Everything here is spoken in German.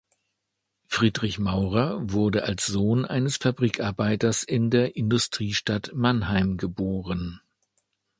Friedrich Maurer wurde als Sohn eines Fabrikarbeiters in der Industriestadt Mannheim geboren.